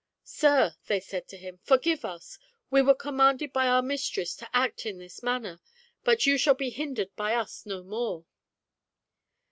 " Sir," they said to him, " forgive us. We were commanded by our mistress to act in this manner, but you shall be hindered by us no more."